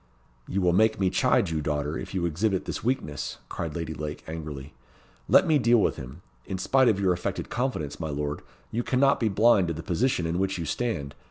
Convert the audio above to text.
"You will make me chide you, daughter, if you exhibit this weakness," cried Lady Lake, angrily. "Let me deal with him. In spite of your affected confidence, my lord, you cannot be blind to the position in which you stand.